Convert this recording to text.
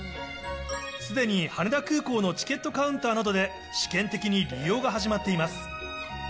すでに羽田空港のチケットカウンターなどで、試験的に利用が始まっています。